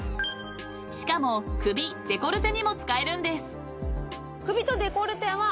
［しかも首デコルテにも使えるんです］